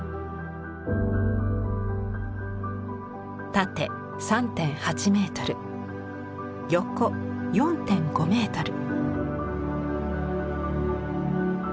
縦３．８メートル横４．５メートル。